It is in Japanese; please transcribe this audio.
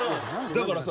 だからさ